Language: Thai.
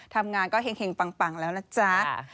ทำงานก็เห็งปังแล้วนะจ๊ะ